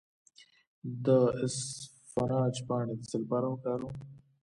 د اسفناج پاڼې د څه لپاره وکاروم؟